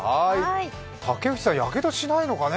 竹節さん、やけどしないのかね。